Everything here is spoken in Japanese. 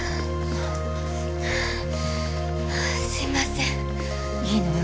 すいませんいいのよ